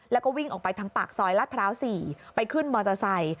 แล้วก็วิ่งออกไปทางปากซอยลาดพร้าว๔ไปขึ้นมอเตอร์ไซค์